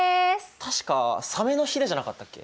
確かサメのヒレじゃなかったっけ？